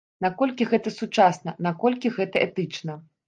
Наколькі гэта сучасна, наколькі гэта этычна?